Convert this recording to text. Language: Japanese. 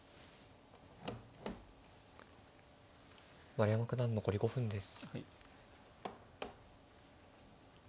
丸山九段残り５分です。